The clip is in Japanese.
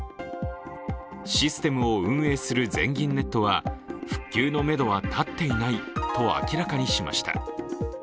システムを運営する全銀ネットは復旧のめどは立っていないと明らかにしました。